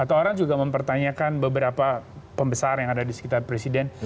atau orang juga mempertanyakan beberapa pembesar yang ada di sekitar presiden